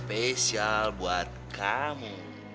spesial buat kamu